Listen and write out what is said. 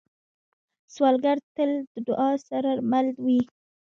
سوالګر تل د دعا سره مل وي